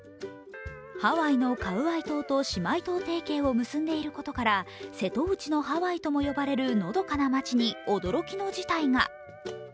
ハワイのカウアイ島と姉妹島提携を結んでいることから瀬戸内のハワイとも呼ばれるのどかな町に驚きの事態が。